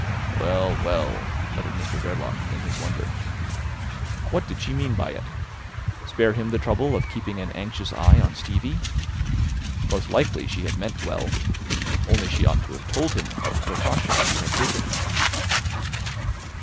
"Well, well," muttered Mr Verloc in his wonder. What did she mean by it? Spare him the trouble of keeping an anxious eye on Stevie? Most likely she had meant well. Only she ought to have told him of the precaution she had taken.